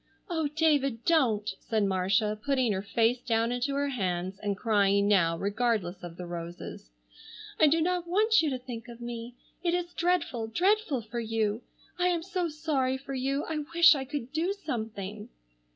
"Oh, David, don't," said Marcia putting her face down into her hands and crying now regardless of the roses. "I do not want you to think of me. It is dreadful, dreadful for you. I am so sorry for you. I wish I could do something."